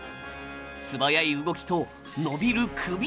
素早い動きと伸びる首。